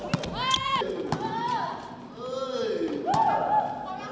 สุดท้ายสุดท้ายสุดท้าย